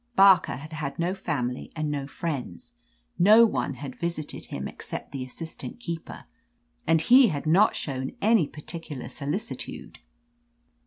Barker had had no family and no friends. No one had visited him except the assistant keeper, and he had not shown any particular solici tude.